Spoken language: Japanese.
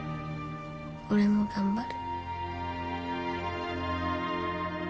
俺も頑張る。